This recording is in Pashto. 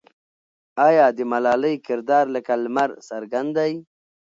آیا د ملالۍ کردار لکه لمر څرګند دی؟